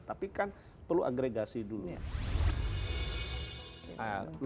tapi kan perlu agregasi dulu